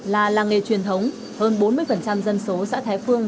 là làng nghề truyền thống hơn bốn mươi dân số xã thái phương